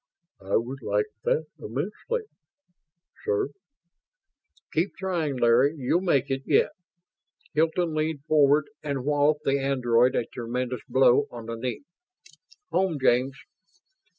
"I would like that immensely ... sir." "Keep trying, Larry, you'll make it yet!" Hilton leaned forward and walloped the android a tremendous blow on the knee. "Home, James!"